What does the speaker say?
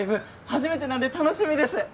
初めてなんで楽しみです！